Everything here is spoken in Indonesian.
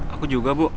aku juga bu